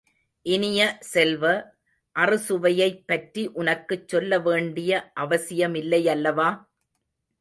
இனிய செல்வ, அறுசுவையைப் பற்றி உனக்குச் சொல்ல வேண்டிய அவசியமில்லையல்லவா?